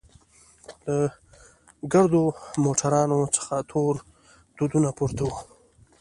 له ګردو موټرانو څخه تور دودونه پورته وو.